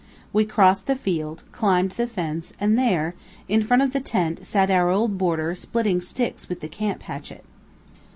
We crossed the field, climbed the fence, and there, in front of the tent sat our old boarder splitting sticks with the camp hatchet.